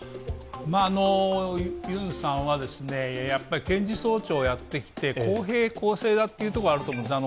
ユンさんは検事総長をやってきて公平・公正だというところがあると思うんです。